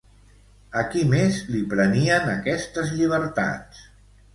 A qui més li prenien aquestes llibertats?